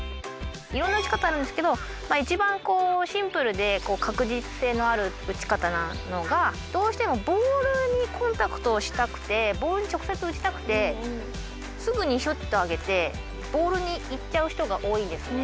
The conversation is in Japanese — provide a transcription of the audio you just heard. いろんな打ち方あるんですけどいちばんシンプルで確実性のある打ち方なのがどうしてもボールにコンタクトをしたくてボールに直接打ちたくてすぐにシュッと上げてボールにいっちゃう人が多いんですね。